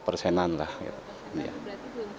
lima persenan itu berarti belum cukup signifikan ya